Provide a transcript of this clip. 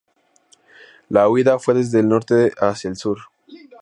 La huida fue desde el norte hacia el sur.